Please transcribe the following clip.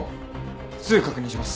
すぐ確認します。